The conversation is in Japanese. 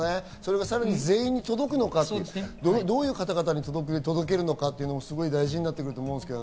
さらに全員届くのか、どういう方に届けるのか、大事になってくると思うんですけど。